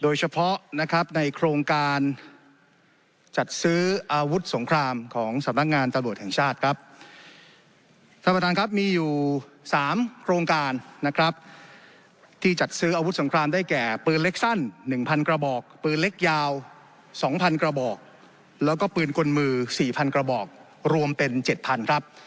ยาว๒๐๐๐กระบอกแล้วก็ปืนกลมือ๔๐๐๐กระบอกรวมเป็น๗๐๐๐ครับ